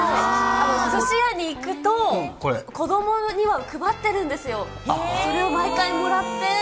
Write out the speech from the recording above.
すし屋に行くと、子どもには配ってるんですよ、それを毎回もらって。